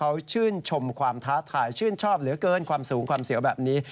เขาชื่นชมความท้าทายชื่นชอบเหลือเกินความสูงความเสียวแบบนี้